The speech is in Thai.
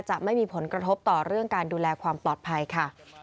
จะไม่มีผลกระทบต่อเรื่องการดูแลความปลอดภัยค่ะ